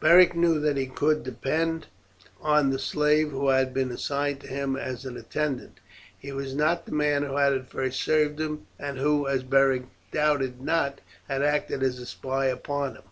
Beric knew that he could depend on the slave who had been assigned to him as an attendant. He was not the man who had at first served him, and who, as Beric doubted not, had acted as a spy upon him.